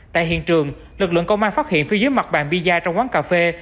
tại hiện trường lực lượng công an phát hiện phía dưới mặt bàn piza trong quán cà phê